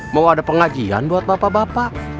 mau ada pengajian buat bapak bapak